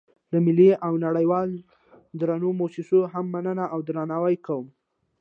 له ملي او نړیوالو درنو موسسو هم مننه او درناوی کوم.